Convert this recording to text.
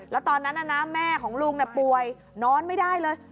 แล้วตอนนั้นแม่ของลุงป่วยนอนไม่ได้เลย